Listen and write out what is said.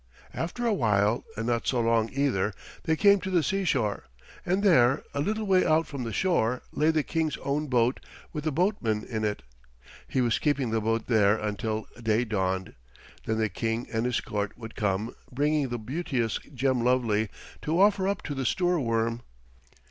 After a while, and not so long either, they came to the seashore, and there, a little way out from the shore, lay the King's own boat with the boatman in it. He was keeping the boat there until day dawned. Then the King and his court would come, bringing the beauteous Gemlovely to offer up to the Stoorworm.